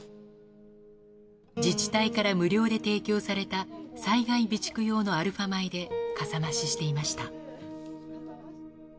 自治体から無料で提供された災害備蓄用のアルファ米でかさ増ししていました。